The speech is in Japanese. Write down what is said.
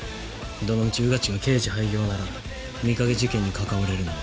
どのみち穿地が刑事廃業なら美影事件に関われるのは。